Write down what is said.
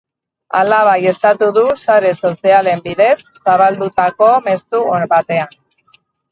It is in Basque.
Hala baieztatu du sare sozialen bidez zabaldutako mezu batean.